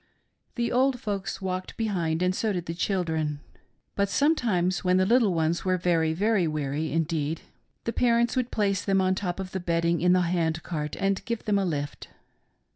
The old folks walked behind, and so did the children, but sometimes, when the little ones were very weary indeed, the parents would place them on the top of the bedding in the hand cart and give them a lift.